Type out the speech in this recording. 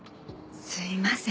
すいません